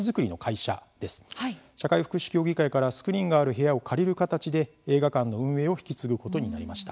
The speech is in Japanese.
社会福祉協議会からスクリーンがある部屋を借りる形で、映画館の運営を引き継ぐことになりました。